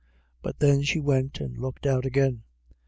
But then she went and looked out again.